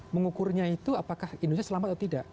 mengukurnya itu apakah indonesia selamat atau tidak